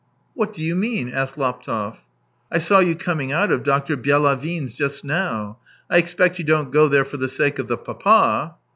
" What do you mean ?" asked Laptev. " I saw you coming out of Dr. Byelavin's just now. I expect you don't go there for the sake of the papa."